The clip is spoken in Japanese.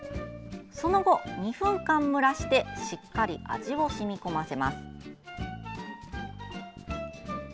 その後、２分間蒸らしてしっかり味を染み込ませます。